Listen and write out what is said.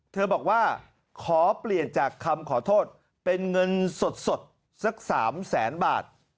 เธอบอกว่าขอเปลี่ยนจากคำขอโทษเป็นเงินสดสัก๓แสนบาท